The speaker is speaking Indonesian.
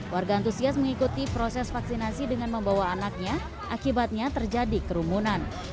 warga antusias mengikuti proses vaksinasi dengan membawa anaknya akibatnya terjadi kerumunan